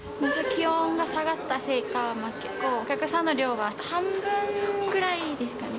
気温が下がったせいか、お客さんの量は半分ぐらいですかね。